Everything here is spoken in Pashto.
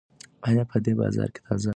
ایا په دې بازار کې تازه مېوې پیدا کیږي؟